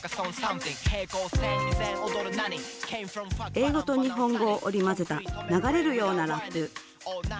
英語と日本語を織り交ぜた流れるようなラップ。